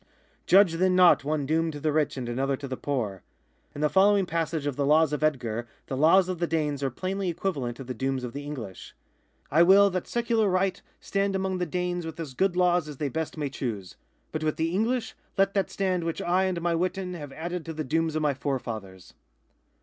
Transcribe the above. ^" Judge then not one doom to the rich and another to the poor." " In the following passage of the laws of l<]dgar the laws of the Danes are plainly equivalent to the dooms of the English :" I will that secular right stand among the Danes with as good laws as they best may choose. But with the Enghsh let that stand which 1 and my Witan have added to the dooms of my forefathers."